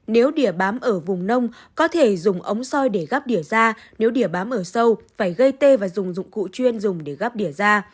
nếu đỉa bám ở vùng nông có thể dùng ống soi để gắp đỉa da nếu đỉa bám ở sâu phải gây tê và dùng dụng cụ chuyên dùng để gắp đỉa da